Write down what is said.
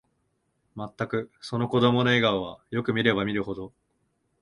まったく、その子供の笑顔は、よく見れば見るほど、